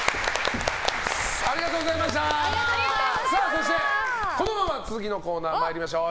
そして、このまま続きのコーナー参りましょう。